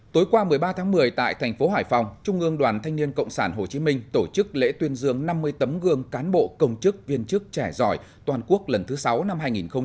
tối qua một mươi ba tháng một mươi tại thành phố hải phòng trung ương đoàn thanh niên cộng sản hồ chí minh tổ chức lễ tuyên dương năm mươi tấm gương cán bộ công chức viên chức trẻ giỏi toàn quốc lần thứ sáu năm hai nghìn một mươi chín